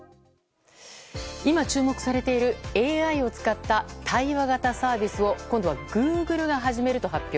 今、注目されているＡＩを使った対話型サービスを今度はグーグルが始めると発表。